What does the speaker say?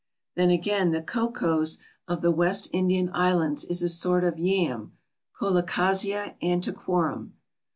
Then again the Cocoes of the West Indian Islands is a sort of Yam (Colocasia antiquorum).